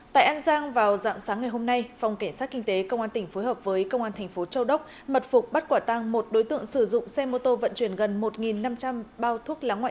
tại an giang vào dạng sáng ngày hôm nay phòng cảnh sát kinh tế công an tỉnh phối hợp với công an thành phố châu đốc mật phục bắt quả tăng một đối tượng sử dụng xe mô tô vận chuyển gần một năm trăm linh bao thuốc lá ngoại